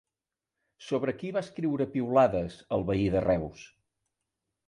Sobre qui va escriure piulades el veí de Reus?